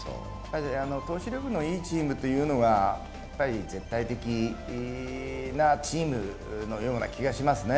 投手力のいいチームというのが絶対的なチームのような気がしますね。